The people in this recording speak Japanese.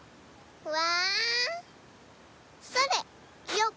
うわ。